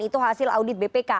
itu hasil audit bpk